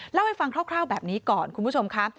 เล่าให้ฟังคร่าวแบบนี้ก่อนคุณผู้ชมค่ะ